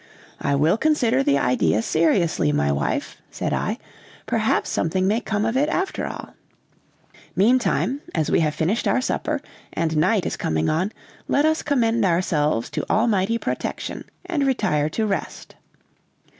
"I will consider the idea seriously, my wife," said I; "perhaps something may come of it, after all! Meantime, as we have finished our supper, and night is coming on, let us commend ourselves to Almighty protection and retire to rest."